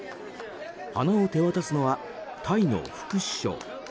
花を手渡すのは、タイの副首相。